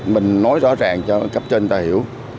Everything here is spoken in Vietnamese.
mình nói rõ ràng cho cấp trên ta hiểu